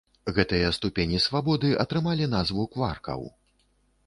Гэтыя ступені свабоды атрымалі назву кваркаў.